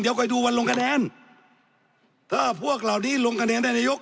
เดี๋ยวคอยดูวันลงคะแนนถ้าพวกเหล่านี้ลงคะแนนได้นายก